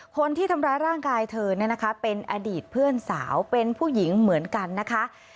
คนที่ทำร้ายร่างกายเธอเนี่ยนะคะเป็นอดีตเพื่อนสาวเป็นผู้หญิงเหมือนกันนะคะ